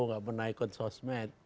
nggak pernah ikut sosmed